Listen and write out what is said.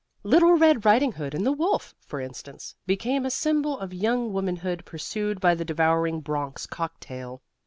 Little Red Riding Hood and the Wolf, for instance, became a symbol of young womanhood pursued by the devouring Bronx cocktail.